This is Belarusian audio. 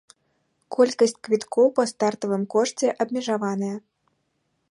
Колькасць квіткоў па стартавым кошце абмежаваная.